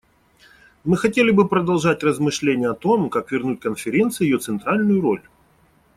Мы хотели бы продолжать размышления о том, как вернуть Конференции ее центральную роль.